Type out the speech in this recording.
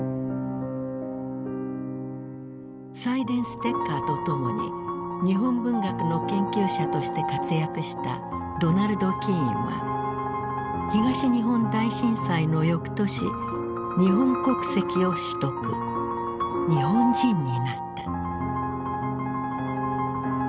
サイデンステッカーと共に日本文学の研究者として活躍したドナルド・キーンは東日本大震災の翌年日本国籍を取得日本人になった。